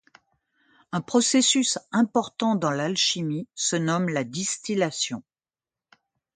Un processus important dans l'alchimie se nomme la distillation.